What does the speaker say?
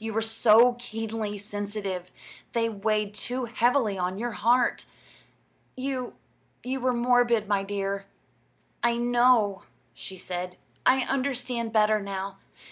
You were so keenly sensitive they weighed too heavily on your heart. You you were morbid, my dear." "I know," she said. "I understand better now.